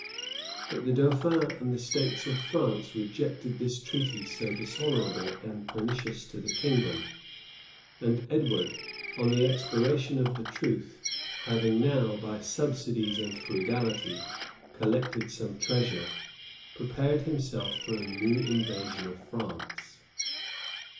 But the dauphin and the states of France rejected this treaty, so dishonorable and pernicious to the kingdom;[*] and Edward on the expiration of the truce, having now, by subsidies and frugality, collected some treasure, prepared himself for a new invasion of France.